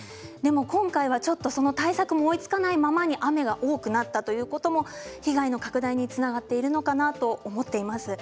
今回は、その対策も追いつかないままに雨の多くなったことも被害拡大につながっているのかなと思っています。